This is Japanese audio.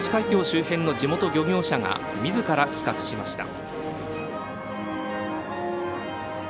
周辺の地元漁業者がみずから企画しました。